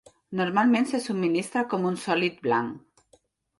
Normalment se subministra com un sòlid blanc.